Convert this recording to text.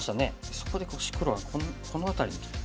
そこで黒はこの辺りにきた。